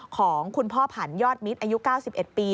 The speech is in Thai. ของคุณพ่อผันยอดมิตรอายุ๙๑ปี